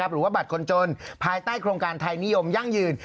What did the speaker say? หรือว่าบัตรคนจนภายใต้โครงการไทยนิยมยั่งยืน